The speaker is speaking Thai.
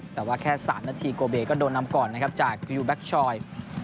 แต่ว่าแค่๓นาทีโกเบส่งก็โดนนำก่อนจากกิวแบคชอย